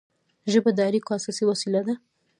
ژبه د اړیکو اساسي وسیله ده.